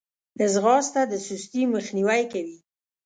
ځغاسته د سستي مخنیوی کوي